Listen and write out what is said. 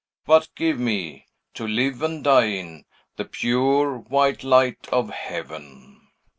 But, give me to live and die in the pure, white light of heaven!"